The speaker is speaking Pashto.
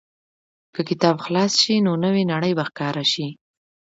که کتاب خلاص شي، نو نوې نړۍ به ښکاره شي.